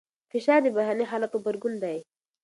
فشار د بهرني حالت غبرګون دی.